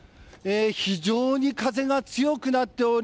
非常に風が強くなっており